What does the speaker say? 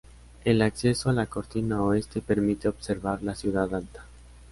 El acceso a la cortina oeste permite observar la ciudad alta.